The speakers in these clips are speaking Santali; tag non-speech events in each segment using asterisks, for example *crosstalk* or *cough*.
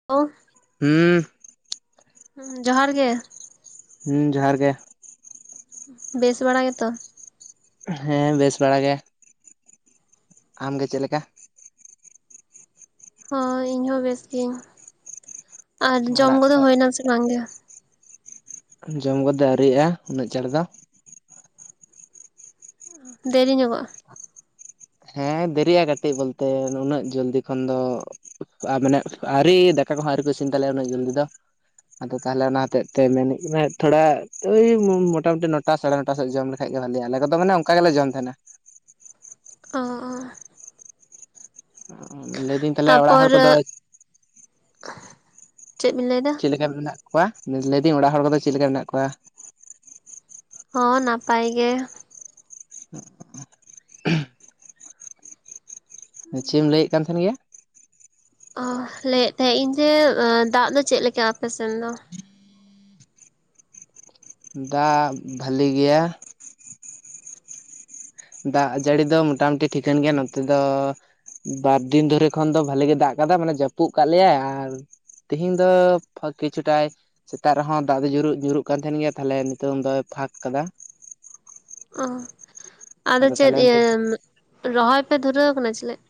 *unintelligible* ᱦᱩᱸᱻ ᱡᱚᱦᱟᱨ ᱜᱮ ᱾ ᱦᱩᱸ ᱡᱚᱦᱟᱨ ᱜᱮ ᱾ ᱵᱮᱥ ᱵᱟᱲᱟ ᱜᱮᱛᱚ? ᱦᱮᱸ ᱵᱮᱥ ᱵᱟᱲᱟ ᱜᱮ᱾ ᱟᱢ ᱜᱮ ᱪᱮᱫ ᱞᱮᱠᱟ? ᱦᱚᱸ ᱤᱧ ᱦᱚᱸ ᱵᱮᱥ ᱜᱤᱭᱟᱹᱧ᱾ ᱟᱨ ᱡᱚᱢ ᱚᱲᱟᱜ ᱠᱚᱫᱚ ᱠᱚ ᱦᱩᱭᱱᱟ ᱥᱮ ᱵᱟᱝ ᱜᱮ? ᱡᱚᱢ ᱠᱚᱫᱚ ᱟᱹᱣᱨᱤᱭᱟᱜᱼᱟ ᱩᱱᱟᱹᱜ ᱪᱟᱲ ᱫᱚ ᱾ ᱫᱮᱨᱤ ᱧᱚᱜᱚᱜᱼᱟ? ᱦᱮᱸ ᱫᱮᱨᱤᱜᱼᱟ ᱠᱟᱹᱴᱤᱡ ᱵᱚᱞᱛᱮ ᱱᱩᱱᱟᱹᱜ ᱡᱚᱞᱫᱤ ᱠᱷᱚᱱ ᱫᱚ ᱟᱨ ᱢᱟᱱᱮ ᱟᱹᱣᱨᱤ ᱫᱟᱠᱟ ᱠᱚᱦᱚᱸ ᱟᱹᱣᱨᱤ ᱠᱚ ᱤᱥᱤᱱ ᱛᱟᱞᱮᱭᱟ ᱩᱱᱟᱹᱜ ᱡᱚᱞᱫᱤ ᱫᱚ ᱾ ᱟᱫᱚ ᱛᱟᱦᱚᱞᱮ ᱚᱱᱟ ᱦᱚᱛᱮᱜ ᱛᱮ ᱢᱮᱱᱮᱫ ᱠᱟᱱᱟ ᱛᱷᱚᱲᱟ ᱳᱭ ᱢᱚᱴᱟᱢᱩᱴᱤ ᱱᱚᱴᱟ ᱥᱟᱲᱮ ᱱᱚᱴᱟ ᱥᱮᱫ ᱡᱚᱢ ᱞᱮᱠᱷᱟᱡ ᱜᱮ ᱵᱷᱟᱹᱞᱤᱜᱼᱟ ᱟᱞᱮᱫᱚ ᱢᱟᱱᱮ ᱚᱱᱠᱟ ᱜᱮᱞᱮ ᱡᱚᱢ ᱛᱟᱦᱮᱱᱟ ᱾ *unintelligible* ᱞᱟᱹᱭᱫᱟᱹᱧ ᱛᱟᱦᱚᱞᱮ ᱚᱲᱟᱜ ᱛᱟᱯᱚᱨ ᱦᱚᱲ ᱠᱚᱫᱚ ᱪᱮᱫ ᱵᱤᱱ ᱞᱟᱹᱭᱫᱟ? ᱪᱮᱫ ᱞᱮᱠᱟ ᱢᱮᱱᱟᱜ ᱠᱚᱣᱟ? ᱞᱟᱹᱭᱫᱟᱹᱧ ᱚᱲᱟᱜ ᱦᱚᱲ ᱠᱚᱫᱚ ᱪᱮᱫ ᱞᱮᱠᱟ ᱢᱮᱱᱟᱜ ᱠᱚᱣᱟ? ᱦᱚᱸ ᱱᱟᱯᱟᱭ ᱜᱮ ᱾ ᱚ *unintelligible* ᱪᱮᱫ ᱮᱢ ᱞᱟᱹᱭᱮᱫ ᱠᱟᱱ ᱛᱟᱦᱮᱱ ᱜᱮᱭᱟ? ᱚ ᱞᱟᱹᱭᱮᱫ ᱛᱟᱦᱮᱸᱫ ᱤᱧ ᱡᱮ ᱫᱟᱜ ᱫᱚ ᱪᱮᱫ ᱞᱮᱠᱟ ᱟᱯᱮᱥᱮᱱ ᱫᱚ? ᱫᱟᱜ ᱵᱷᱟᱹᱞᱤ ᱜᱮᱭᱟ ᱾ ᱫᱟᱜ ᱡᱟᱹᱲᱤ ᱫᱚ ᱢᱚᱴᱟᱢᱩᱴᱤ ᱴᱷᱤᱠᱟᱹᱱ ᱜᱮᱭᱟ ᱱᱚᱛᱮ ᱫᱚ ᱾ ᱵᱟᱨᱫᱤᱱ ᱫᱷᱚᱨᱮ ᱠᱷᱚᱱ ᱫᱚ ᱵᱷᱟᱞᱤᱜᱮ ᱫᱟᱜ ᱟᱠᱟᱫᱟ ᱢᱟᱱᱮ ᱡᱟᱹᱯᱩᱫ ᱟᱠᱟᱫ ᱞᱮᱭᱟᱭ ᱟᱨ ᱛᱤᱦᱤᱧ ᱫᱚ ᱠᱤᱪᱷᱩᱴᱟᱭ ᱥᱮᱛᱟᱜ ᱨᱮᱦᱚᱸ ᱫᱟᱜ ᱫᱚ ᱧᱩᱨᱩᱜ ᱧᱩᱨᱩᱜ ᱠᱟᱱ ᱛᱟᱦᱮᱱ ᱜᱮᱭᱟ ᱛᱟᱦᱞᱮ ᱱᱤᱛᱚᱝ ᱫᱚᱭ ᱯᱷᱟᱸᱠ ᱠᱟᱫᱟ ᱾ ᱚ ᱟᱫᱚ ᱪᱮᱫ ᱛᱟᱦᱚᱞᱮ ᱤᱭᱟᱹ ᱱᱤᱛᱚᱜ ᱨᱚᱦᱚᱭ ᱯᱮ ᱫᱷᱩᱨᱟᱹᱣ ᱠᱟᱱᱟ ᱪᱮᱞᱮᱫ?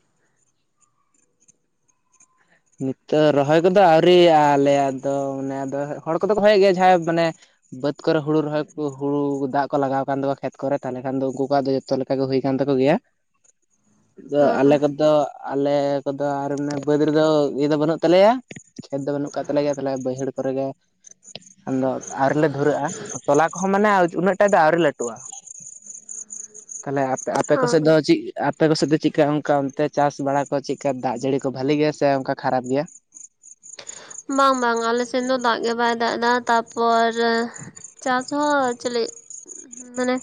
ᱱᱤᱛᱚᱜ ᱨᱚᱦᱚᱭ ᱠᱚᱫᱚ ᱟᱹᱣᱨᱤᱭᱟ ᱞᱮᱭᱟ ᱟᱫᱚ ᱢᱟᱱᱮ ᱦᱚᱲ ᱠᱚᱫᱚ ᱠᱚ ᱦᱚᱭ ᱮᱜ ᱜᱮᱭᱟ ᱡᱟᱦᱟᱸᱭ ᱢᱟᱱᱮ ᱵᱟᱹᱫᱽ ᱠᱚᱨᱮ ᱦᱩᱲᱩ ᱨᱚᱦᱚᱭ ᱠᱚ ᱦᱩᱲᱩ ᱫᱟᱜ ᱠᱚ ᱞᱟᱜᱟᱣ ᱠᱟᱱ ᱛᱟᱠᱚᱣᱟ ᱠᱷᱮᱛ ᱠᱚᱨᱮ ᱛᱟᱦᱚᱞᱮ ᱠᱷᱟᱱ ᱫᱚ ᱩᱱᱠᱩ ᱠᱚᱣᱟᱜ ᱫᱚ ᱡᱚᱛᱚ ᱞᱮᱠᱟ ᱜᱮ ᱦᱩᱭ ᱠᱟᱱ ᱛᱟᱠᱚ ᱜᱮᱭᱟ ᱾ *inaudible* ᱟᱫᱚ ᱚ ᱚ ᱟᱞᱮ ᱠᱚᱫᱚ ᱟᱞᱮ ᱠᱚᱫᱚ ᱟᱨᱢᱟᱱᱮ ᱵᱟᱹᱫᱽ ᱨᱮᱫᱚ ᱤᱭᱟᱹ ᱫᱚ ᱵᱟᱹᱱᱩᱜ ᱛᱟᱞᱮᱭᱟ ᱠᱷᱮᱛ ᱫᱚ ᱵᱟᱹᱱᱩᱜ ᱠᱟᱜ ᱛᱟᱞᱮᱭᱟ ᱛᱟᱦᱞᱮ ᱵᱟᱹᱭᱦᱟᱹᱲ ᱠᱚᱨᱮ ᱜᱮ ᱟᱫᱚ ᱟᱹᱣᱨᱤ ᱞᱮ ᱫᱷᱩᱨᱟᱹᱜᱼᱟ ᱛᱚᱞᱟ ᱠᱚᱦᱚᱸ ᱢᱟᱱᱮ ᱩᱱᱟᱹᱜ ᱴᱟ ᱫᱚ ᱟᱹᱣᱨᱤ ᱞᱟᱹᱴᱩᱜᱼᱟ ᱾ *inaudible* ᱛᱟᱦᱚᱞᱮ ᱟᱯᱮ ᱟᱯᱮ ᱚ ᱠᱚᱥᱮᱫ ᱫᱚ ᱪᱮᱫ ᱟᱯᱮ ᱠᱚᱥᱮᱫ ᱫᱚ ᱪᱮᱫᱠᱟ ᱚᱱᱠᱟ ᱚᱱᱛᱮ ᱪᱟᱥ ᱵᱟᱲᱟ ᱠᱚ ᱪᱮᱫ ᱟᱱᱠᱟ ᱫᱟᱜ ᱡᱟᱹᱲᱤ ᱠᱚ ᱵᱟᱹᱞᱤ ᱜᱮᱭᱟ ᱥᱮ ᱚᱱᱠᱟ ᱠᱷᱟᱨᱟᱯ ᱜᱮᱭᱟ? ᱵᱟᱝ ᱵᱟᱝ ᱟᱞᱮᱥᱮᱫ ᱫᱚ ᱫᱟᱜ ᱜᱮ ᱵᱟᱭ ᱫᱟᱜ ᱮᱫᱟ᱾ ᱛᱟᱯᱚᱨ ᱪᱟᱥ ᱦᱚᱸ ᱮᱠᱪᱩᱞᱤ ᱢᱟᱱᱮ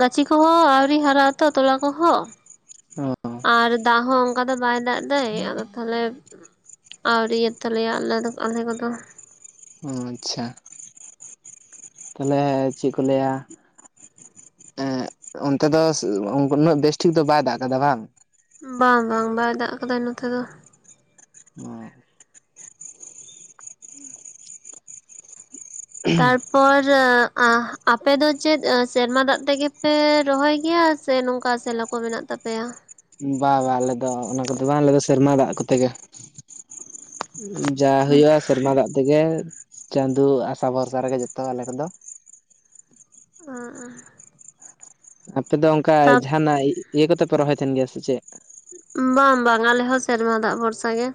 ᱜᱟᱹᱪᱷᱤ ᱠᱚᱦᱚᱸ ᱟᱹᱣᱨᱤ ᱦᱟᱨᱟᱜ ᱟᱛᱚ ᱛᱚᱞᱟ ᱠᱚᱦᱚᱸ ᱾ ᱚ ᱟᱨ ᱫᱟᱜ ᱦᱚᱸ ᱚᱱᱠᱟ ᱫᱚ ᱵᱟᱭ ᱫᱟᱜ ᱮᱫᱟᱭ ᱟᱫᱚ ᱛᱟᱦᱚᱞᱮ ᱟᱹᱣᱨᱤᱭᱟ ᱛᱟᱞᱮᱭᱟ ᱟᱞᱮ ᱫᱚ ᱟᱞᱮ ᱠᱚᱫᱚ ᱾ ᱚ ᱟᱪᱪᱷᱟ ᱛᱟᱞᱦᱮ ᱪᱮᱫ ᱠᱚ ᱞᱟᱹᱭᱟᱼᱼ ᱮᱸᱜ ᱚᱱᱛᱮ ᱫᱚ ᱩᱱᱟᱹᱜ ᱵᱮᱥᱴᱷᱤᱠ ᱫᱚ ᱵᱟᱭ ᱫᱟᱜ ᱠᱟᱫᱟ ᱵᱟᱝ? ᱵᱟᱝ ᱵᱟᱝ ᱵᱟᱭ ᱫᱟᱜ ᱠᱟᱫᱟ ᱱᱚᱛᱮ ᱫᱚ᱾ ᱚᱸ ᱛᱟᱨᱯᱚᱨᱚᱻ ᱟᱸᱦ ᱟᱯᱮ ᱫᱚ ᱪᱮᱫ ᱥᱮᱨᱢᱟ ᱫᱟᱜ ᱛᱮᱜᱮ ᱯᱮ ᱨᱚᱦᱚᱭ ᱜᱮᱭᱟ ᱥᱮ ᱱᱚᱝᱠᱟ ᱥᱮᱞᱳ ᱠᱚ ᱢᱮᱱᱟᱜ ᱛᱟᱯᱮᱭᱟ? ᱵᱟ ᱵᱟᱝ ᱟᱞᱮ ᱫᱚ ᱚᱱᱟ ᱠᱚᱫᱚ ᱵᱟᱝ ᱟᱞᱮ ᱫᱚ ᱥᱮᱨᱢᱟ ᱫᱟᱜ ᱠᱚᱛᱮ ᱜᱮ᱾ ᱡᱟ ᱦᱩᱭᱩᱜ-ᱟ ᱥᱮᱨᱢᱟ ᱫᱟᱜ ᱛᱮᱜᱮᱼᱼ ᱪᱟᱸᱫᱳ ᱟᱥᱟ ᱵᱷᱚᱨᱥᱟ ᱨᱮᱜᱮ ᱡᱚᱛᱚ ᱟᱞᱮ ᱠᱚᱫᱚ, ᱟᱸ ᱟᱸ ᱟᱯᱮ ᱫᱚ ᱚᱱᱠᱟ ᱡᱟᱦᱟᱱᱟᱜ ᱤᱭᱟᱹ ᱠᱚᱛᱮ ᱯᱮ ᱨᱚᱦᱚᱭ ᱛᱟᱦᱮᱱ ᱜᱮᱭᱟ ᱥᱮ ᱪᱮᱫ? ᱵᱟᱝ-ᱵᱟᱝ ᱟᱞᱮ ᱦᱚᱸ ᱥᱮᱨᱢᱟ ᱫᱟᱜ ᱵᱷᱚᱨᱥᱟ ᱜᱮ,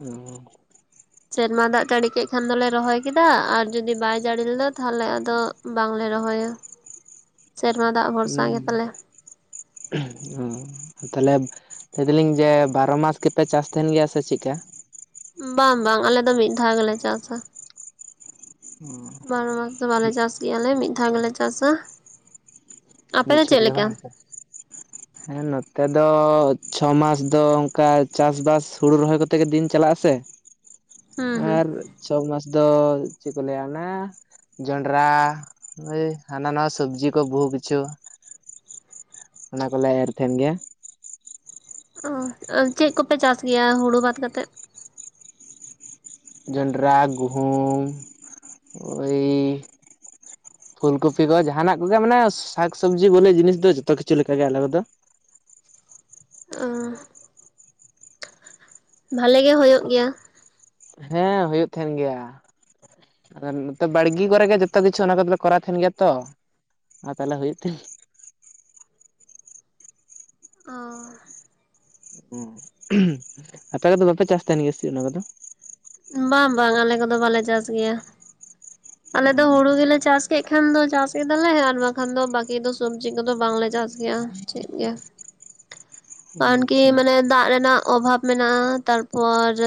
ᱚᱸᱻ ᱥᱮᱨᱢᱟ ᱫᱟᱜ ᱡᱟᱹᱲᱤ ᱠᱮᱫ ᱠᱷᱟᱱ ᱫᱚᱞᱮ ᱨᱚᱦᱚᱭ ᱠᱮᱫᱟ ᱟᱨ ᱡᱩᱫᱤ ᱵᱟᱭ ᱡᱟᱹᱲᱤ ᱞᱮᱫᱟ ᱛᱟᱦᱚᱞᱮ ᱟᱫᱚ ᱵᱟᱝᱞᱮ ᱨᱚᱦᱚᱭᱟ᱾ ᱥᱮᱨᱢᱟ ᱫᱟᱜ ᱵᱷᱚᱨᱥᱟ ᱜᱮ ᱯᱟᱞᱮ! ᱦᱩᱸ ᱛᱟᱞᱦᱮᱼᱼ ᱞᱟᱹᱭ ᱫᱟᱞᱤᱧ ᱡᱮ ᱵᱟᱨᱚ ᱢᱟᱥ ᱜᱮᱯᱮ ᱪᱟᱥ ᱛᱟᱦᱮᱸᱱ ᱜᱮᱭᱟ ᱥᱮ ᱪᱮᱫ ᱠᱟ? ᱵᱟᱝ-ᱵᱟᱝ ᱟᱞᱮ ᱫᱚ ᱢᱤᱫ ᱫᱷᱟᱣ ᱜᱮᱞᱮ ᱪᱟᱥᱟ᱾ ᱵᱟᱨᱚ ᱢᱟᱥ ᱫᱚ ᱵᱟᱞᱮ ᱪᱟᱥ ᱜᱮᱭᱟ ᱟᱞᱮ ᱢᱤᱫ ᱫᱷᱟᱣ ᱜᱮᱞᱮ ᱪᱟᱥᱟ᱾ ᱟᱯᱮ ᱢᱤᱫ ᱫᱚ ᱪᱷᱚᱴ ᱪᱮᱫ ᱜᱮ ᱞᱮᱠᱟ ᱵᱟᱝ ᱥᱮ? ᱦᱮᱸ ᱱᱚᱛᱮ ᱫᱚ ᱪᱷᱚ ᱢᱟᱥ ᱫᱚ ᱚᱱᱠᱟ ᱪᱟᱥᱵᱟᱥ ᱦᱩᱲᱩ ᱨᱚᱦᱚᱭ ᱠᱚᱛᱮ ᱜᱮ ᱫᱤᱱ ᱪᱟᱞᱟᱜ ᱟᱥᱮ, *inaudible* ᱦᱩᱸ ᱟᱨ ᱪᱷᱚ ᱢᱟᱥ ᱫᱚ ᱪᱮᱫ ᱠᱚ ᱞᱟᱹᱭᱟ ᱚᱱᱟ ᱡᱚᱸᱱᱰᱨᱟᱼᱼ ᱦᱳᱭ ᱦᱟᱱᱟ ᱱᱟᱣᱟ ᱥᱚᱵᱡᱤ ᱠᱚ ᱵᱚᱦᱩ ᱠᱤᱪᱷᱩᱼᱼ ᱚᱱᱟ ᱠᱚᱞᱮ ᱮᱨ ᱛᱟᱦᱮᱸᱱ ᱜᱮᱭᱟ, ᱚ ᱪᱮᱫ ᱠᱚᱯᱮ ᱪᱟᱥ ᱜᱮᱭᱟ ᱦᱩᱲᱩ ᱵᱟᱫ ᱠᱟᱛᱮᱫ? ᱡᱚᱱᱰᱨᱟ ᱜᱩᱦᱩᱢ ᱳᱭᱼᱼ ᱯᱷᱩᱞ ᱠᱚᱯᱤ ᱠᱚ ᱡᱟᱦᱟᱱᱟᱜ ᱠᱚᱜᱮ ᱢᱟᱱᱮ ᱥᱟᱠ ᱥᱚᱵᱽᱡᱤ ᱵᱚᱞᱮ ᱡᱤᱱᱤᱥ ᱫᱚ ᱡᱚᱛᱚ ᱠᱤᱪᱷᱩ ᱞᱮᱠᱟᱜᱮ ᱟᱞᱮ ᱨᱮ ᱫᱚᱼᱼ ᱟᱸᱻ ᱵᱷᱟᱞᱮ ᱜᱮ ᱦᱳᱭᱳᱜ ᱜᱮᱭᱟ, ᱦᱮᱸ ᱦᱩᱭᱩᱜ ᱛᱟᱦᱮᱸᱱ ᱜᱮᱭᱟ, ᱟᱨ ᱱᱚᱛᱮ ᱵᱟᱲᱜᱤ ᱠᱚᱨᱮᱜ ᱜᱮ ᱡᱚᱛᱚ ᱠᱤᱪᱷᱩ ᱚᱱᱟ ᱠᱚᱫᱚᱞᱮ ᱠᱚᱟᱣ ᱛᱟᱦᱮᱸᱱ ᱜᱮᱭᱟ ᱛᱚ, ᱟᱨ ᱛᱟᱞᱦᱮ ᱦᱩᱭᱩᱜ ᱛᱮ? ᱚᱸᱻ ᱩ ᱩᱸᱦ ᱟᱯᱮ ᱠᱚᱫᱚ ᱵᱟᱯᱮ ᱪᱟᱥ ᱛᱟᱦᱮᱸᱱ ᱜᱮᱭᱟ ᱥᱮᱪᱮᱫ ᱚᱱᱟ ᱠᱚᱫᱚ? ᱵᱟᱝ-ᱵᱟᱝ ᱟᱞᱮ ᱠᱚᱫᱚ ᱵᱟᱞᱮ ᱪᱟᱥ ᱜᱮᱭᱟ ᱟᱞᱮ ᱫᱚ ᱦᱩᱲᱩ ᱜᱮᱞᱮ ᱪᱟᱥᱼᱼ ᱪᱮᱫ ᱠᱷᱟᱱ ᱫᱚ ᱪᱟᱥ ᱠᱮᱫᱟᱞᱮ ᱟᱨ ᱵᱟᱠᱷᱟᱱ ᱫᱚ ᱵᱟᱠᱤ ᱫᱚ ᱥᱚᱵᱽᱡᱤ ᱠᱚᱫᱚ ᱵᱟᱝᱞᱮ ᱪᱟᱥᱼᱼ ᱜᱮᱭᱟ ᱪᱮᱫ ᱜᱮᱼᱼ ᱯᱟᱱ ᱠᱤ ᱟᱪᱪᱷᱟ ᱢᱟᱱᱮ ᱫᱟᱜ ᱨᱮᱱᱟᱜ ᱚᱵᱷᱟᱵ ᱢᱮᱱᱟᱜ-ᱟ, ᱛᱟᱨᱯᱚᱨᱼᱼ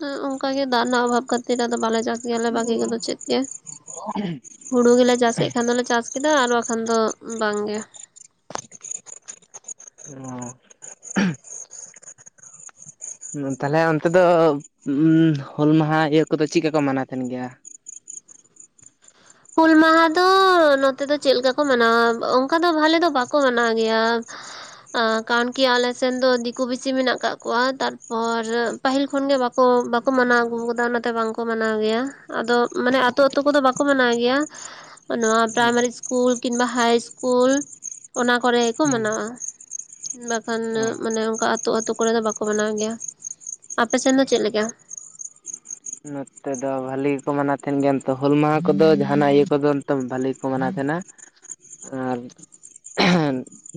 ᱦᱮᱸ ᱚᱱᱠᱟᱜᱮ ᱫᱟᱜ ᱨᱮᱱᱟᱜ ᱚᱵᱷᱟᱵᱽ ᱠᱷᱟᱹᱛᱤᱨ ᱟᱫᱚ ᱵᱟᱞᱮ ᱪᱟᱥ ᱜᱮᱭᱟᱞᱮ ᱵᱟᱠᱤ ᱠᱚᱫᱚ ᱪᱮᱫ ᱜᱮ, ᱦᱩᱲᱩ ᱜᱮᱞᱮ ᱪᱟᱥᱠᱮᱜ ᱠᱷᱟᱱ ᱫᱚᱞᱮ ᱪᱟᱥ ᱠᱮᱫᱟ ᱟᱨ ᱵᱟᱠᱷᱟᱱ ᱫᱚ ᱵᱟᱝ ᱜᱮ᱾ ᱚᱸ ᱛᱟᱦᱞᱮ ᱚᱱᱛᱮ ᱫᱚ ᱩᱸ ᱦᱩᱞ ᱢᱟᱦᱟ ᱤᱭᱟᱹ ᱠᱚᱫᱚ ᱪᱮᱫᱠᱟ ᱠᱚ ᱢᱟᱱᱟᱣ ᱛᱟᱦᱮᱸᱱ ᱜᱮᱭᱟ? ᱦᱩᱞ ᱢᱟᱦᱟ ᱫᱚ ᱱᱚᱛᱮ ᱫᱚ ᱪᱮᱫ ᱞᱮᱠᱟ ᱠᱚ ᱢᱟᱱᱟᱣᱟ ᱚᱱᱠᱟ ᱫᱚ ᱵᱷᱟᱞᱮ ᱫᱚ ᱵᱟᱠᱚ ᱢᱟᱱᱟᱣ ᱜᱮᱭᱟ᱾ *inaudible* ᱟᱸ ᱠᱟᱱ ᱠᱤ ᱟᱞᱮ ᱥᱮᱱ ᱫᱚ ᱫᱤᱠᱩ ᱵᱤᱥᱤ ᱢᱮᱱᱟᱜ ᱠᱟᱜ ᱠᱚᱣᱟ ᱛᱟᱨᱯᱚᱨᱼᱼ ᱯᱟᱹᱦᱤᱞ ᱠᱷᱚᱱ ᱜᱮ ᱵᱟᱠᱚ ᱵᱟᱠᱚ ᱢᱟᱱᱟᱣ ᱟᱹᱜᱩ ᱟᱠᱟᱫᱟ ᱚᱱᱟᱛᱮ ᱵᱟᱝᱠᱚ ᱢᱟᱱᱟᱣ ᱜᱮᱭᱟ ᱟᱫᱚ ᱢᱟᱱᱮ ᱟᱹᱛᱩ ᱟᱹᱛᱩ ᱠᱚᱫᱚ ᱵᱟᱠᱚ ᱢᱟᱱᱟᱣ ᱜᱮᱭᱟ, ᱜᱮᱭᱟ ᱱᱚᱣᱟ ᱯᱨᱟᱭᱢᱟᱨᱤ ᱤᱥᱠᱩᱞ ᱠᱤᱝᱵᱟ ᱦᱟᱭ ᱤᱥᱠᱩᱞ ᱚᱱᱟ ᱠᱚᱨᱮ, ᱠᱚ ᱢᱟᱱᱟᱣᱟ, ᱵᱟᱠᱷᱟᱱ ᱢᱟᱱᱮ ᱚᱱᱠᱟ ᱟᱹᱛᱩ ᱟᱹᱛᱳ ᱠᱚᱨᱮᱫᱚ ᱵᱟᱠᱚ ᱢᱟᱱᱟᱣ ᱜᱮᱭᱟ ᱟᱯᱮ ᱥᱮᱱ ᱫᱚ ᱪᱮᱫ ᱞᱮᱠᱟ, ᱱᱚᱛᱮ ᱫᱚ ᱵᱷᱟᱹᱞᱤ ᱜᱮᱠᱚ ᱢᱟᱱᱟᱣ ᱛᱟᱦᱮᱱ ᱜᱮᱭᱟ ᱱᱤᱛ ᱦᱩᱞ ᱢᱟᱦᱟ ᱠᱚᱫᱚ ᱡᱟᱦᱟᱱᱟᱜ ᱤᱭᱟᱹ ᱠᱚᱫᱚ ᱱᱤᱛ ᱵᱟᱹᱞᱤ ᱜᱮᱠᱚ ᱢᱟᱱᱟᱣ ᱛᱟᱦᱮᱸᱱᱟ, ᱟᱨ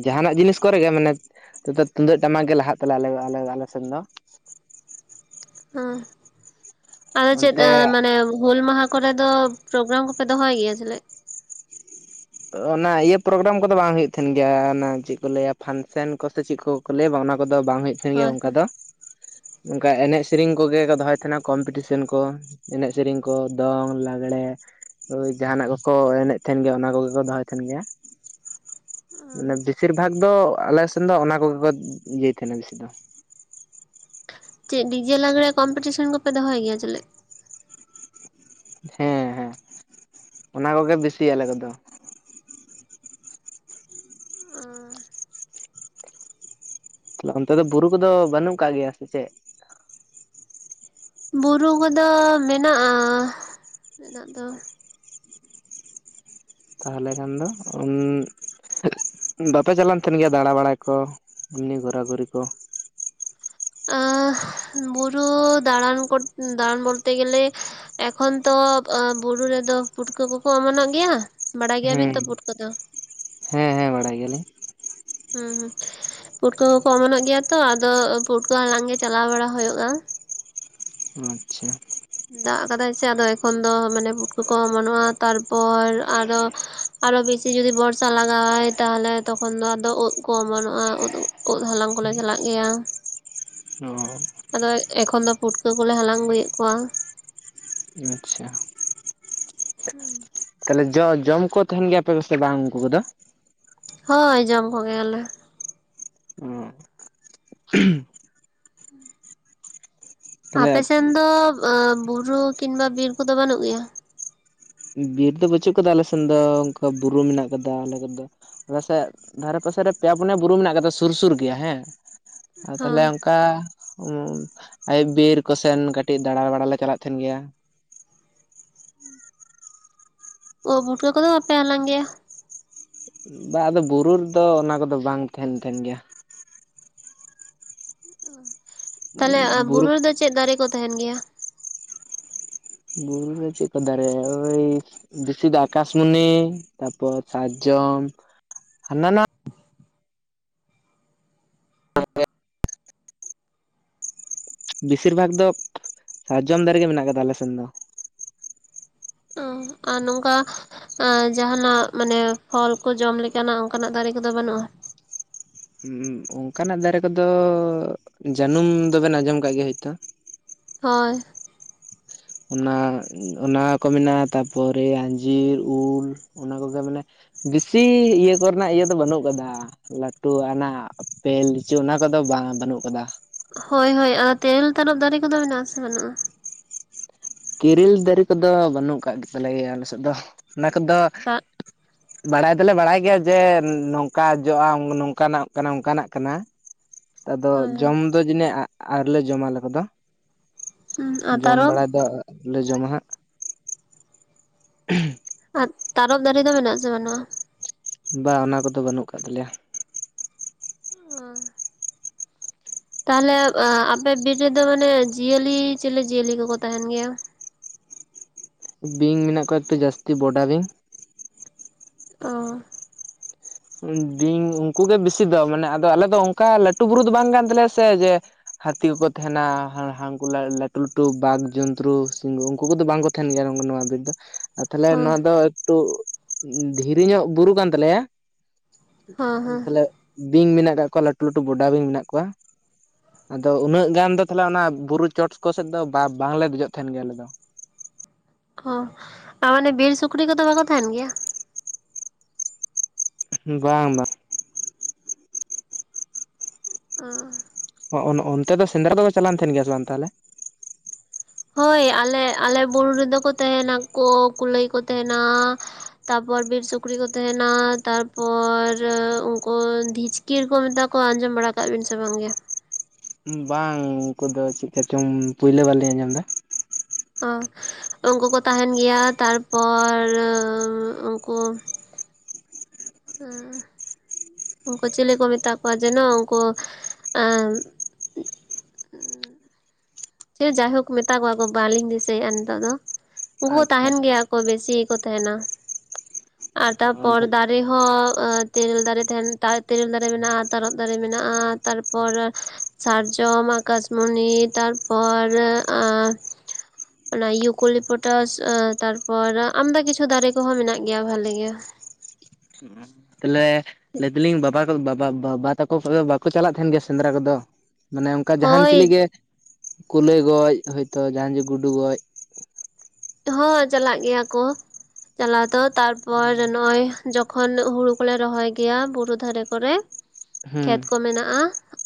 ᱡᱟᱦᱟᱱᱟᱜ ᱡᱤᱱᱤᱥ ᱠᱚᱨᱮ ᱜᱮ ᱢᱟᱱᱮ, ᱛᱚ ᱛᱩᱢᱫᱟᱹᱜ ᱴᱟᱢᱟᱠ ᱜᱮ ᱞᱟᱦᱟᱜ ᱛᱟᱞᱮᱭᱟ ᱟᱞᱮ ᱟᱞᱮ ᱥᱮᱱ ᱫᱚ, ᱦᱚᱸ ᱟᱫᱚ ᱪᱮᱫ ᱚᱱᱛᱮ ᱢᱟᱱᱮ ᱦᱩᱞ ᱢᱟᱦᱟ, ᱠᱚᱨᱮᱫᱚ ᱯᱨᱳᱜᱨᱟᱢ ᱠᱚᱯᱮ ᱫᱚᱦᱚᱭ ᱜᱮᱭᱟ ᱡᱚᱞᱮ, ᱚᱱᱟ ᱤᱭᱟᱹ ᱯᱨᱳᱜᱨᱟᱢ ᱠᱚᱫᱚ ᱵᱟᱝ ᱦᱩᱭᱩᱜ ᱛᱟᱦᱮᱸᱱ ᱜᱮᱭᱟ ᱚᱱᱟ ᱪᱮᱫ ᱠᱚ ᱞᱟᱹᱭᱟ ᱯᱷᱟᱱᱥᱮᱱ ᱠᱚ ᱥᱮ ᱪᱮᱫ ᱠᱩ ᱠᱚ ᱞᱟᱹᱭᱟ ᱵᱟᱝ ᱚᱱᱟ ᱠᱚᱫᱚ ᱵᱟᱝ ᱦᱩᱭᱩᱜ ᱛᱟᱦᱮᱸᱱ ᱜᱮᱭᱟ ᱦᱳᱭ ᱚᱱᱠᱟ ᱥᱮ ᱫᱚ, ᱚᱱᱠᱟ ᱮᱱᱮᱡ ᱥᱮᱨᱮᱧ ᱠᱚᱜᱮ ᱠᱚ ᱫᱚᱦᱚᱭ ᱛᱟᱦᱮᱸᱱᱟ ᱠᱚᱢᱯᱤᱴᱤᱥᱮᱱ ᱠᱚ, ᱮᱱᱮᱡ ᱥᱮᱨᱮᱧ ᱠᱚ ᱫᱚᱝ ᱞᱟᱜᱽᱲᱮ ᱳᱭ ᱡᱟᱦᱱᱟᱜ ᱠᱚᱠᱚ ᱮᱱᱮᱡ ᱛᱟᱦᱮᱱ ᱜᱮᱭᱟ ᱚᱱᱟ ᱠᱚᱜᱮ, ᱫᱚᱦᱚᱭ ᱛᱟᱦᱮᱸᱱ ᱜᱮᱭᱟ ᱢᱮ ᱵᱮᱥᱤᱨ ᱵᱷᱟᱜᱽ, ᱫᱚ ᱟᱞᱮ ᱥᱮᱱ ᱫᱚ ᱚᱱᱟ ᱠᱚᱜᱮ ᱠᱚ ᱤᱭᱟᱹᱭ ᱛᱟᱦᱮᱸᱱᱟ ᱵᱮᱥᱤ ᱫᱚ, ᱪᱮᱫ ᱰᱤ ᱡᱮ ᱞᱟᱜᱽᱮ ᱠᱚᱢᱯᱤᱴᱤᱥᱚᱱ ᱠᱚᱯᱮ ᱫᱚᱦᱚᱭ ᱜᱮᱭᱟ ᱪᱮᱞᱮ, ᱦᱮᱸ ᱦᱮᱸ ᱚᱱᱟ ᱠᱚᱜᱮ ᱵᱮᱥᱤ ᱟᱞᱮ ᱠᱚᱫᱚ, ᱛᱟᱦᱮᱞᱮ ᱚᱱᱛᱮ ᱫᱚ ᱵᱩᱨᱩ ᱠᱚᱫᱚ ᱵᱟᱹᱱᱩᱜ ᱟᱠᱟᱜ ᱜᱮᱭᱟ ᱥᱮ ᱪᱮᱫ, ᱵᱩᱨᱩ ᱠᱚᱫᱚ ᱢᱮᱱᱟᱜᱼᱟ ᱢᱮᱱᱟᱜ ᱫᱚ, ᱛᱟᱦᱚᱞᱮ ᱠᱷᱟᱱ ᱫᱚ ᱵᱟᱯᱮ ᱪᱟᱞᱟᱜ ᱛᱟᱦᱮᱱ ᱜᱮᱭᱟ ᱫᱟᱬᱟ ᱵᱟᱲᱟᱭ ᱠᱚ, ᱮᱢᱱᱤ ᱜᱷᱚᱨᱟ ᱜᱷᱩᱨᱤ ᱠᱚ, ᱟᱸ ᱵᱩᱨᱩ ᱫᱟᱬᱟᱱ ᱫᱟᱬᱟᱱ ᱵᱚᱞᱛᱮ ᱜᱮᱞᱮ, ᱮᱠᱷᱚᱱ ᱛᱚ ᱵᱩᱨᱩ ᱨᱮᱫᱚ ᱯᱩᱴᱠᱟᱹ ᱠᱚᱠᱚ ᱚᱢᱚᱱᱚᱜ ᱜᱮᱭᱟ, ᱵᱟᱲᱟᱭ ᱜᱮᱭᱟᱵᱤᱱ ᱦᱮᱸ ᱛᱚ ᱯᱩᱴᱠᱟ. ᱫᱚ, ᱦᱮᱸ ᱦᱮᱸ ᱵᱟᱲᱟᱭ ᱜᱮᱭᱟᱞᱤᱧ, ᱦᱩᱸ ᱦᱩᱸ ᱯᱩᱴᱠᱟᱹ ᱠᱚᱠᱚ ᱚᱢᱚᱱᱚᱜ ᱜᱮᱭᱟ ᱛᱚ ᱟᱫᱚ ᱯᱩᱴᱟᱹ ᱠᱚ ᱦᱟᱞᱟᱝ ᱜᱮ ᱪᱟᱞᱟᱣ ᱵᱟᱲᱟ ᱦᱩᱭᱩᱜ-ᱟ, ᱟᱪᱪᱷᱟ, ᱫᱟᱜ ᱠᱟᱫᱟᱭ ᱪᱮ ᱟᱫᱚ ᱮᱠᱷᱚᱱ ᱫᱚ ᱢᱟᱱᱮ ᱯᱩᱴᱠᱟᱹ ᱠᱚ ᱚᱢᱚᱱᱚᱜᱼᱟ ᱛᱟᱨᱯᱚᱨ ᱟᱨᱚ, ᱟᱨᱚ ᱵᱮᱥᱤ ᱡᱩᱫᱤ ᱵᱚᱨᱥᱟ ᱞᱟᱜᱟᱣᱟᱭ ᱛᱟᱦᱚᱞᱮ ᱛᱚᱠᱷᱚᱱ ᱫᱚ ᱟᱫᱚ ᱳᱫ ᱠᱚ ᱚᱢᱟᱱᱚᱜᱼᱟ ᱳᱫ, ᱳᱫ ᱦᱟᱞᱟᱝ ᱠᱚᱞᱮ ᱪᱟᱞᱟᱜ ᱜᱮᱭᱟ, ᱚ ᱟᱫᱚ ᱮᱠᱷᱚᱱ ᱫᱚ ᱯᱩᱴᱠᱟᱹ ᱠᱚᱞᱮ ᱦᱟᱞᱟᱝ ᱟᱹᱜᱩᱭᱮᱫ ᱠᱚᱣᱟ, ᱟᱪᱪᱷᱟ, *unintelligible* ᱛᱟᱦᱚᱞᱮ ᱡᱚ ᱡᱚᱢ ᱠᱚ ᱛᱟᱦᱮᱸᱱ ᱜᱮᱭᱟᱯᱮ ᱟᱯᱮ ᱥᱮ ᱵᱟᱝ ᱩᱱᱠᱩ ᱠᱚᱫᱚ, ᱦᱳᱭ ᱡᱚᱢ ᱠᱚᱜᱮᱭᱟᱞᱮ, ᱩᱸᱜ ᱛᱟᱦᱚᱞᱮ ᱟᱯᱮ ᱥᱮᱱ ᱫᱚ ᱵᱩᱨᱩ ᱠᱤᱝᱵᱟ ᱵᱤᱨ ᱠᱚᱫᱚ ᱵᱟᱹᱱᱩᱜ ᱜᱮᱭᱟ, ᱵᱤᱨ ᱫᱚ ᱵᱟᱹᱪᱩᱜ ᱠᱟᱫᱟ ᱟᱞᱮ ᱥᱮᱱ ᱫᱚ ᱚᱱᱠᱟ ᱵᱩᱨᱩ ᱢᱮᱱᱟᱜ ᱠᱟᱫᱟ ᱟᱞᱮ ᱠᱚ ᱫᱚ, ᱟᱞᱮᱥᱮᱫ ᱫᱷᱟᱨᱮ ᱯᱟᱥᱮᱨᱮ ᱯᱮᱭᱟ ᱯᱩᱱᱭᱟ ᱵᱩᱨᱩ ᱢᱮᱱᱟᱜ ᱠᱟᱫᱟ ᱥᱩᱨ ᱥᱩᱨ ᱜᱮᱭᱟ ᱦᱮᱸ ᱦᱮᱸ ᱛᱟᱦᱞᱮ, ᱚᱱᱠᱟ ᱟᱭᱩᱵ ᱵᱤᱨ ᱠᱚᱥᱮᱱ ᱠᱟᱹᱴᱤᱡ ᱫᱟᱬᱟ ᱵᱟᱟᱲ ᱞᱮ ᱪᱟᱞᱟᱜ ᱛᱟᱦᱮᱸᱱ ᱜᱮᱭᱟ, ᱳᱫ-ᱯᱩᱴᱠᱟᱹ ᱠᱚᱫᱚ ᱵᱟᱯᱮ ᱦᱟᱞᱟᱸᱝ ᱜᱮᱭᱟ, ᱵᱟᱝ ᱟᱫᱚ ᱵᱩᱨᱩ ᱨᱮᱫᱚ ᱚᱱᱟ ᱠᱚᱫᱚ ᱵᱟᱝ ᱛᱟᱦᱮᱸᱱ ᱠᱟᱱ ᱜᱮᱭᱟ, ᱛᱟᱦᱚᱞᱮ ᱵᱩᱨᱩ ᱨᱮᱫᱚ ᱪᱮᱫ ᱫᱟᱨᱮ ᱠᱚ ᱛᱟᱦᱮᱸᱱ ᱜᱮᱭᱟ, ᱵᱩᱨᱩ ᱨᱮ ᱪᱮᱫ ᱠᱚ ᱫᱟᱨᱮ ᱳᱭ, ᱵᱮᱥᱤ ᱫᱚ ᱟᱠᱟᱥᱢᱩᱱᱤ ᱛᱟᱯᱚᱨ ᱥᱟᱨᱡᱚᱢ ᱦᱟᱱᱟ ᱱᱟᱣᱟ, ᱵᱤᱥᱤᱨ ᱵᱷᱟᱜ ᱫᱚ ᱥᱟᱨᱡᱚᱢ ᱫᱟᱨᱮ ᱜᱮ ᱢᱮᱱᱟᱜ ᱟᱠᱟᱫᱟ ᱟᱞᱮᱥᱱ ᱫᱚ᱾ ᱚ ᱟᱨ ᱱᱚᱝᱠᱟᱼᱼ ᱡᱟᱦᱟᱸᱱᱟᱜ ᱢᱟᱱᱮ ᱯᱷᱚᱞ ᱠᱚ ᱡᱚᱢ ᱞᱮᱠᱟᱱᱟᱜ ᱚᱱᱠᱟᱱᱟᱜ ᱫᱟᱨᱮ ᱠᱚᱫᱚ ᱵᱟᱹᱱᱩᱜᱼᱟ? ᱚᱱᱠᱟᱱᱟᱜ ᱫᱟᱨᱮ ᱠᱚᱫᱚ ᱡᱟᱹᱱᱩᱢ ᱫᱚᱵᱮᱱ ᱟᱸᱡᱚᱢ ᱟᱠᱟᱫ ᱜᱮᱭᱟ ᱦᱳᱭᱛᱚ᱾ ᱦᱳᱭ ᱚᱱᱟ ᱚᱱᱟᱠᱚ ᱢᱮᱱᱟᱜᱼᱟ ᱛᱟᱯᱚᱨᱮ ᱟᱧᱡᱤᱨ ᱩᱞᱼᱼ ᱚᱱᱟ ᱠᱚᱜᱮ ᱢᱟᱱᱮ ᱵᱤᱥᱤ ᱤᱭᱟᱹ ᱠᱚᱨᱮᱱᱟᱜ ᱤᱭᱟᱹ ᱫᱚ ᱵᱟᱹᱱᱩᱜ ᱟᱠᱟᱫᱟ ᱞᱟᱹᱴᱩ ᱟᱱᱟᱜᱼᱼ ᱯᱮᱞ ᱞᱤᱪᱩ ᱚᱱᱟ ᱠᱚᱫᱚ ᱵᱟᱝ-ᱟ ᱵᱟᱹᱱᱩᱜ ᱟᱠᱟᱫᱟ᱾ ᱦᱳᱭ ᱦᱳᱭ ᱟᱨ ᱛᱮᱨᱮᱞ ᱛᱟᱨᱚᱯ ᱫᱟᱨᱮ ᱠᱚᱫᱚ ᱢᱮᱱᱟᱜ ᱟᱥᱮ ᱵᱟᱹᱱᱩᱜᱼᱟ? ᱠᱤᱨᱤᱞ ᱫᱟᱨᱮ ᱠᱚᱫᱚ ᱵᱟᱹᱱᱩᱜ ᱟᱠᱟᱫ ᱜᱮ ᱛᱟᱞᱮᱭᱟ ᱟᱞᱮᱥᱮᱫ ᱫᱚ ᱚᱱᱟ ᱠᱚᱫᱚᱼᱼ ᱴᱟᱜᱼᱼ ᱵᱟᱲᱟᱭ ᱫᱚᱞᱮ ᱵᱟᱲᱟᱭ ᱜᱮᱭᱟ ᱡᱮ ᱱᱚᱝᱠᱟ ᱡᱚᱜᱼᱟ ᱱᱚᱝᱠᱟᱱᱟᱜ ᱠᱟᱱᱟ ᱚᱱᱠᱟᱱᱟᱜ ᱠᱟᱱᱟ᱾ ᱟᱫᱚ ᱦᱳᱭ ᱦᱳᱭ ᱡᱚᱢ ᱫᱚ ᱡᱟᱹᱱᱤ ᱟᱶᱨᱤ ᱞᱮ ᱡᱚᱢ-ᱟ ᱟᱞᱮ ᱠᱚᱫᱚ᱾ ᱦᱩᱸ ᱟᱨ ᱡᱚᱢ ᱛᱟᱨᱚᱵ ᱵᱟᱲᱟ ᱫᱚ ᱟᱞᱮ ᱡᱚᱢᱟ ᱦᱟᱸᱜ᱾ *inaudible* ᱟᱨ ᱛᱟᱨᱚᱵ ᱫᱟᱨᱮ ᱫᱚ ᱢᱮᱱᱟᱜ ᱟᱥᱮ ᱵᱟᱹᱱᱩᱜᱼᱟ? ᱵᱟ ᱚᱱᱟ ᱠᱚᱫᱚ ᱵᱟᱹᱱᱩᱜ ᱟᱠᱟᱫ ᱛᱟᱞᱮᱭᱟ᱾ ᱚ ᱛᱟᱦᱚᱞᱮ ᱟᱯᱮ ᱵᱤᱨ ᱨᱮᱫᱚ ᱢᱟᱱᱮ ᱡᱤᱭᱟᱹᱞᱤ ᱪᱤᱞᱤ ᱡᱤᱭᱟᱹᱞᱤ ᱠᱚᱠᱚ ᱛᱟᱦᱮᱱ ᱜᱮᱭᱟ᱾ ᱵᱤᱧ ᱢᱮᱱᱟᱜ ᱠᱚᱣᱟ ᱛᱚ ᱡᱟᱹᱥᱛᱤ ᱵᱚᱰᱟ ᱵᱤᱧ᱾ ᱚ ᱵᱤᱧ ᱩᱱᱠᱩ ᱜᱮ ᱵᱮᱥᱤ ᱫᱚ ᱢᱟᱱᱮ ᱟᱫᱚ ᱟᱞᱮ ᱫᱚ ᱚᱱᱠᱟ ᱞᱟᱹᱴᱩ ᱵᱩᱨᱩ ᱫᱚ ᱵᱟᱝ ᱠᱟᱱ ᱛᱟᱞᱮᱭᱟ ᱥᱮ ᱡᱮᱼᱼ ᱦᱟᱹᱛᱤ ᱠᱚᱠᱚ ᱛᱟᱦᱮᱱᱟ ᱦᱟᱱᱠᱩ ᱞᱟᱹᱴᱩ ᱞᱟᱹᱴᱩ ᱵᱟᱜᱽ ᱡᱚᱱᱛᱨᱩ ᱥᱤᱝᱜᱩ ᱩᱱᱠᱩ ᱠᱚᱫᱚ ᱵᱟᱝ ᱠᱚᱼᱼ ᱛᱟᱦᱮᱱ ᱜᱮᱭᱟ ᱱᱚᱣᱟ ᱵᱤᱨ ᱫᱚ ᱟᱨ ᱛᱟᱦᱚᱞᱮ ᱦᱚᱸ ᱱᱚᱣᱟ ᱫᱚ ᱮᱠᱴᱩ ᱫᱷᱤᱨᱤ ᱧᱚᱜ ᱵᱩᱨᱩ ᱠᱟᱱ ᱛᱟᱞᱮᱭᱟ᱾ ᱦᱚᱸ ᱦᱚᱸ ᱛᱟᱦᱞᱮ ᱵᱤᱧ ᱢᱮᱱᱟᱜ ᱟᱠᱫ ᱠᱚᱣᱟ ᱞᱟᱹᱴᱩ ᱞᱟᱹᱴᱩ ᱵᱚᱰᱟ ᱵᱤᱧ ᱢᱮᱱᱟᱜ ᱠᱚᱣᱟ᱾ ᱟᱫᱚ ᱩᱱᱟᱹᱜ ᱜᱟᱱ ᱫᱚ ᱛᱟᱦᱮ ᱚᱱᱟ ᱵᱩᱨᱩ ᱪᱚᱴ ᱠᱚ ᱥᱮᱫ ᱫᱚ ᱵᱟᱝᱞᱮ ᱫᱮᱡᱚᱜ ᱛᱟᱦᱮᱱ ᱜᱮᱭᱟ ᱟᱞᱮ ᱫᱚ᱾ ᱚ ᱟᱨ ᱢᱟᱱᱮ ᱵᱤᱨ ᱥᱩᱠᱨᱤ ᱠᱚᱫᱚ ᱵᱟᱠᱚ ᱛᱟᱦᱮᱱ ᱜᱮᱭᱟ? ᱵᱟᱝ ᱵᱟᱝ᱾ ᱚᱻ ᱚᱱᱛᱮ ᱫᱚ ᱥᱮᱸᱫᱽᱨᱟ ᱫᱚᱫᱚ ᱪᱟᱞᱟᱣ ᱮᱱ ᱛᱟᱦᱮᱱ ᱜᱮᱭᱟ ᱥᱮ ᱵᱟᱝ ᱛᱟᱦᱚᱞᱮ? ᱦᱳᱭ ᱟᱞᱮ ᱟᱞᱮ ᱵᱩᱨᱩ ᱨᱮᱫᱚ ᱠᱚ ᱛᱟᱦᱮᱱᱟ ᱠᱚ ᱠᱩᱞᱟᱹᱭ ᱠᱚ ᱛᱟᱦᱮᱱᱟ, ᱛᱟᱨᱯᱚᱨ ᱵᱤᱨ ᱥᱩᱠᱨᱤ ᱠᱚ ᱛᱟᱦᱮᱱᱟ ᱛᱟᱨᱯᱚᱨ ᱩᱱᱠᱩ ᱫᱷᱤᱡᱼᱼ ᱠᱤᱨ ᱠᱚ ᱢᱮᱛᱟ ᱠᱚᱣᱟ ᱟᱸᱡᱚᱢ ᱵᱟᱲᱟ ᱟᱠᱟ ᱵᱤᱱ ᱥᱮ ᱵᱟᱝ ᱜᱮ? ᱵᱟᱝ ᱩᱱᱠᱩ ᱫᱚ ᱪᱮᱫᱠᱟ ᱪᱚᱝ ᱯᱳᱭᱞᱳ ᱵᱟᱨ ᱞᱤᱧ ᱟᱸᱡᱚᱢ ᱮᱫᱟ᱾ ᱚ ᱩᱱᱠᱩ ᱠᱚ ᱛᱟᱦᱮᱱ ᱜᱮᱭᱟ ᱛᱟᱨᱯᱚᱨ ᱩᱱᱠᱩᱼᱼ ᱩᱱᱠᱩ ᱪᱤᱞᱤ ᱠᱚ ᱢᱮᱛᱟ ᱠᱚᱣᱟ ᱡᱮᱱᱚ ᱩᱱᱠᱩᱼᱼ ᱥᱮ ᱡᱟᱭᱦᱳᱠ ᱢᱮᱛᱟ ᱠᱚᱣᱟ ᱠᱚ ᱵᱟᱞᱤᱧ ᱫᱤᱥᱟᱹᱭᱮᱫᱼᱟ ᱱᱤᱛᱚᱜ ᱫᱚ ᱩᱱᱠᱩ ᱠᱚ ᱟᱪᱪᱷᱟ ᱛᱟᱦᱮᱱ ᱜᱮᱭᱟᱼᱼ ᱠᱚ ᱵᱮᱥᱤ ᱜᱮᱠᱚ ᱛᱟᱦᱮᱱᱟ᱾ ᱟᱨ ᱛᱟᱨᱯᱚᱨ ᱛᱟᱦᱚᱞᱮ ᱫᱟᱨᱮ ᱦᱚᱸ ᱛᱮᱨᱤᱞ ᱫᱟᱨᱮ ᱛᱟᱦᱮᱱᱟ ᱛᱮᱨᱮᱞ ᱫᱟᱨᱮ ᱢᱮᱱᱟᱜᱼᱟ ᱛᱟᱨᱚᱵ ᱫᱟᱨᱮ ᱢᱮᱱᱟᱜᱼᱟ ᱛᱟᱨᱯᱚᱨᱼᱼ ᱯᱚᱨ ᱥᱟᱨᱡᱚᱢ ᱟᱠᱟᱥᱢᱚᱱᱤ ᱛᱟᱨᱯᱚᱨᱼᱼ ᱚᱱᱟ ᱤᱭᱩᱠᱚᱞᱤᱯᱚᱴᱟᱥ ᱛᱟᱨᱯᱚᱨ ᱟᱢᱫᱟ ᱠᱤᱪᱷᱩ ᱫᱟᱨᱮ ᱠᱚᱦᱚᱸ ᱢᱮᱱᱟᱜ ᱜᱮᱭᱟ ᱵᱷᱟᱞᱮ ᱜᱮ᱾ *inaudible* ᱛᱟᱦᱚᱞᱮ ᱞᱟᱹᱭ ᱫᱟᱞᱤᱧ ᱵᱟᱵᱟ ᱛᱟᱠᱚ ᱠᱚᱫᱚ ᱵᱟᱠᱚ ᱪᱟᱞᱟᱜ ᱛᱟᱦᱮᱱ ᱜᱮᱭᱟ ᱥᱮᱸᱫᱽᱨᱟ ᱠᱚᱫᱚ᱾ ᱢᱟᱱᱮ ᱚᱱᱠᱟ ᱡᱟᱦᱟᱱ ᱪᱤᱞᱤ ᱦᱳᱭ ᱜᱮ ᱠᱩᱞᱟᱹᱭ ᱜᱚᱡ ᱦᱚᱭᱛᱚ ᱡᱟᱦᱟᱱ ᱪᱤᱞᱤ ᱜᱩᱰᱩ ᱜᱚᱡ, ᱦᱚᱸ ᱪᱟᱞᱟᱜ ᱜᱮᱭᱟ ᱠᱚ ᱪᱟᱞᱟᱣ ᱫᱚ ᱛᱟᱨᱯᱚᱨ ᱱᱚᱜ-ᱚᱭ ᱡᱚᱠᱷᱚᱱ ᱦᱩᱲᱩ ᱠᱚᱞᱮ ᱨᱚᱦᱚᱭ ᱜᱮᱭᱟ ᱵᱩᱨᱩ ᱫᱷᱟᱨᱮ ᱠᱚᱨᱮ, ᱦᱩᱸ ᱠᱷᱮᱛ ᱠᱚ ᱢᱮᱱᱟᱜᱼᱟ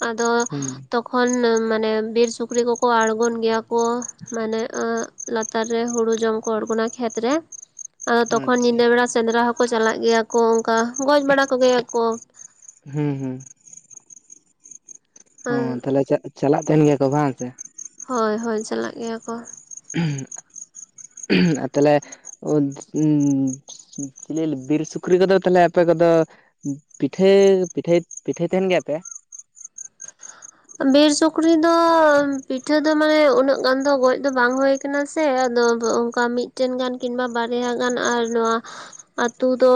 ᱟᱫᱚ ᱦᱩᱸ ᱛᱚ ᱠᱷᱚᱱ ᱢᱟᱱᱮ ᱵᱤᱨ ᱥᱩᱠᱨᱤ ᱠᱚᱠᱚ ᱟᱬᱜᱚᱱ ᱜᱮᱭᱟ ᱠᱚ ᱢᱟᱱᱮ ᱞᱟᱛᱟᱨ, ᱨᱮ ᱦᱩᱲᱩ ᱡᱚᱢ ᱠᱚ ᱟᱰᱲᱜᱚᱱᱟ ᱠᱷᱮᱛ ᱨᱮ ᱟᱫᱚ ᱛᱚᱠᱷᱚᱱ ᱟᱪᱪᱷᱟ ᱧᱤᱫᱟᱹ ᱵᱮᱲᱟ ᱥᱮᱸᱫᱽᱨᱟ ᱦᱚᱸ, ᱠᱚ ᱪᱟᱞᱟᱜ ᱜᱮᱭᱟ ᱠᱚ ᱚᱱᱠᱟ ᱜᱚᱡ ᱵᱟᱲᱟ ᱠᱚ ᱜᱮᱭᱟ ᱠᱚ᱾ ᱦᱮᱸ ᱦᱮᱸ, ᱚ ᱛᱟᱦᱞᱮ ᱪᱟᱼᱪᱟᱞᱟᱜ ᱛᱟᱦᱮᱱ ᱜᱮᱭᱟ ᱠᱚ ᱵᱟᱝ ᱥᱮ, ᱦᱳᱭ ᱦᱳᱭ ᱪᱟᱞᱟᱜ ᱜᱮᱭᱟ ᱠᱚ᱾ ᱟᱨ ᱛᱟᱦᱞᱮ ᱚᱸ ᱪᱤᱞᱤ ᱵᱤᱨ ᱥᱩᱠᱨᱤ ᱠᱚᱫᱚ ᱛᱟᱦᱞᱮ ᱟᱯᱮ ᱠᱚᱫᱚ, ᱯᱤᱴᱷᱟᱹ ᱯᱤᱴᱷᱟᱹᱭ ᱯᱤᱴᱷᱟᱹᱭ ᱛᱟᱦᱮᱱ ᱜᱮᱭᱟᱯᱮ? ᱵᱤᱨ ᱥᱩᱠᱨᱤ ᱫᱚ ᱯᱤᱴᱷᱟᱹ ᱫᱚ ᱢᱟᱱᱮ ᱩᱱᱟᱹᱜ ᱜᱟᱱ ᱫᱚ ᱜᱚᱡ ᱫᱚ ᱵᱟᱝ ᱦᱩᱭ ᱠᱟᱱᱟ ᱥᱮ ᱟᱫᱚ ᱚᱱᱠᱟ ᱢᱤᱫᱴᱮᱱ ᱜᱟᱱ ᱠᱤᱝᱵᱟ ᱵᱟᱨᱭᱟ ᱜᱟᱱ ᱟᱨ ᱱᱚᱣᱟ ᱟᱹᱛᱩ ᱫᱚ,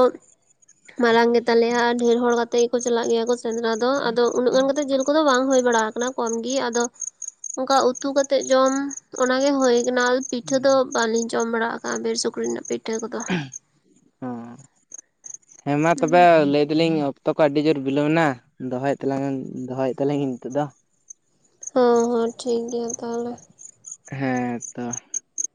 ᱢᱟᱨᱟᱝ ᱜᱮᱛᱟᱞᱮᱭᱟ ᱰᱷᱮᱨ ᱦᱚᱲ ᱠᱟᱛᱮᱜ ᱜᱮᱠᱚ ᱪᱟᱞᱟᱜ ᱜᱮᱭᱟ ᱥᱮᱸᱫᱽᱨᱟ ᱫᱚ᱾ ᱟᱫᱚ ᱩᱱᱟᱹᱜ ᱜᱟᱱ ᱠᱟᱛᱮ ᱡᱮᱞ ᱠᱚᱫᱚ ᱵᱟᱝ ᱦᱩᱭ ᱵᱟᱲᱟ ᱟᱠᱟᱱᱟ ᱠᱚᱢ ᱜᱮ ᱟᱫᱚ ᱚᱱᱠᱟ ᱩᱛᱩ ᱠᱟᱛᱮᱫ ᱡᱚᱡ ᱚᱱᱟ ᱜᱮ ᱦᱩᱭ ᱠᱟᱱᱟ ᱯᱤᱴᱷᱟᱹ ᱫᱚ ᱵᱟᱹᱞᱤᱧ ᱡᱚᱢ ᱵᱟᱲᱟᱣ ᱟᱠᱟᱜ ᱵᱤᱨ ᱥᱩᱠᱨᱤ ᱨᱮᱱᱟᱜ ᱯᱤᱴᱷᱟᱹ ᱠᱚᱫᱚ᱾ ᱦᱮᱸ ᱢᱟ ᱛᱚᱵᱮ ᱞᱟᱹᱭ ᱫᱟᱞᱤᱧ, ᱚᱠᱛᱚ ᱠᱚ ᱟᱹᱰᱤ ᱡᱳᱨ ᱵᱤᱞᱳᱢ ᱮᱱᱟ ᱫᱚᱦᱚᱭᱮᱫ ᱛᱟᱞᱟᱝᱧᱟᱹᱧ ᱫᱚᱦᱚᱭᱮᱫ ᱛᱟᱞᱤᱧ ᱱᱤᱛᱚᱜ ᱫᱚ, ᱦᱚᱸ ᱦᱚᱸ ᱴᱷᱤᱠ ᱜᱮᱭᱟ ᱛᱟᱦᱚᱞᱮ᱾ ᱦᱮᱸᱛᱚ,